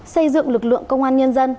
xây dựng lực lượng công an nhân dân